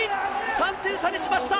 ３点差にしました。